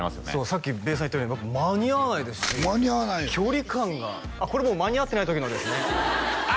さっきべーさん言ったように間に合わないですし距離感があっこれもう間に合ってない時のですねあ！